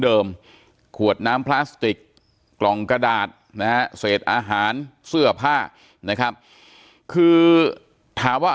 ขวดน้ำพลาสติกกล่องกระดาษนะฮะเศษอาหารเสื้อผ้านะครับคือถามว่า